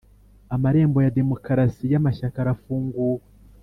Amarembo ya demokarasi y’ amashyaka arafunguwe.